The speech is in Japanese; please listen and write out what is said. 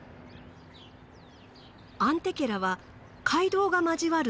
アンテケラは街道が交わる